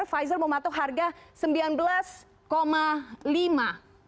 pfizer mematok harga sembilan belas lima dolar amerika